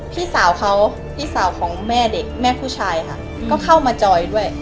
พี่สาวเขาพี่สาวของแม่เด็กแม่ผู้ชายค่ะก็เข้ามาจอยด้วย